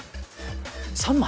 ３枚？